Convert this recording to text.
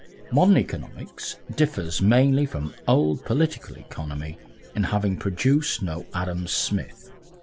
Modern Economics differs mainly from old Political Economy in having produced no Adam Smith.